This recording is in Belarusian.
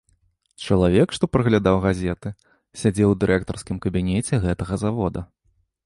Чалавек, што праглядаў газеты, сядзеў у дырэктарскім кабінеце гэтага завода.